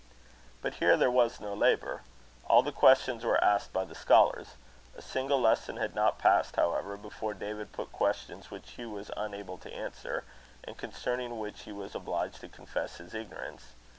But here there was no labour. All the questions were asked by the scholars. A single lesson had not passed, however, before David put questions which Hugh was unable to answer, and concerning which he was obliged to confess his ignorance.